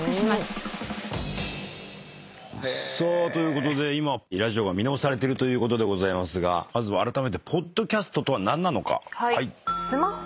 さあということで今ラジオが見直されてるということですがまずはあらためてポッドキャストとは何なのか。